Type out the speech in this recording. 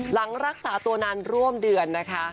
หลังรักษาตัวนานร่วมเดือนนะคะ